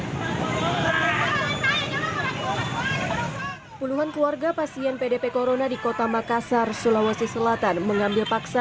hai puluhan keluarga pasien pdp corona di kota makassar sulawesi selatan mengambil paksa